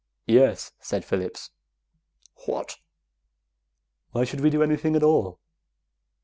"Yes," said Phillips. "What?" "Why should we do anything at all?"